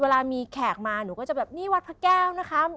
เวลามีแขกมาหนูก็จะแบบนี่วัดพระแก้วนะคะ